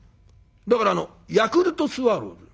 だからヤクルトスワローズ